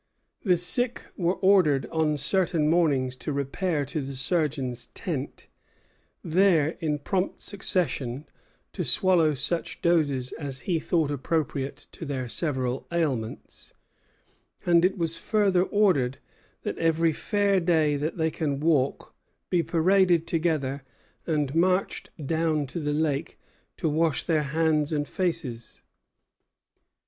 The sick were ordered on certain mornings to repair to the surgeon's tent, there, in prompt succession, to swallow such doses as he thought appropriate to their several ailments; and it was further ordered that "every fair day they that can walk be paraded together and marched down to the lake to wash their hands and faces."